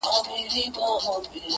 او قاضي ته یې د میني حال بیان کړ.!